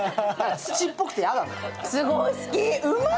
土っぽくて嫌だろ。